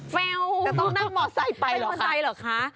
แต่ต้องนั่งมอเซ้นไปเหรอคะ